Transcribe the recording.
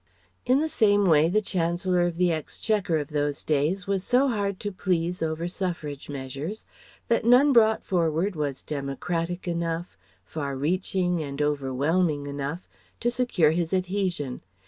In the same way the Chancellor of the Exchequer of those days was so hard to please over Suffrage measures that none brought forward was democratic enough, far reaching and overwhelming enough to secure his adhesion.